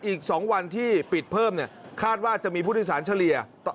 อีก๒วันที่ปิดเพิ่มเนี่ยคาดว่าจะมีผู้โดยสารเฉลี่ย